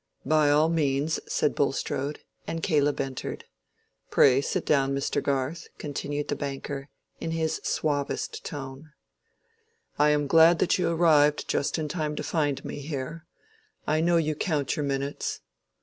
"By all means," said Bulstrode; and Caleb entered. "Pray sit down, Mr. Garth," continued the banker, in his suavest tone. "I am glad that you arrived just in time to find me here. I know you count your minutes."